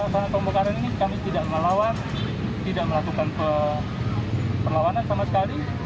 karena pembongkaran ini kami tidak melawan tidak melakukan perlawanan sama sekali